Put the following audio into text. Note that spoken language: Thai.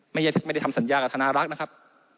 ไม่ได้ทำสัญญากับธนารักษ์นะครับ